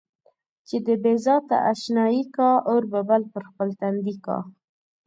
چې د بې ذاته اشنايي کا اور به بل پر خپل تندي کا.